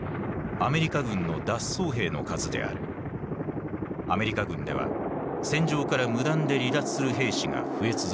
アメリカ軍では戦場から無断で離脱する兵士が増え続けていた。